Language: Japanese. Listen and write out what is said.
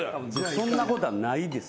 そんなことはないです。